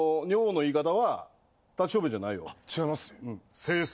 違います？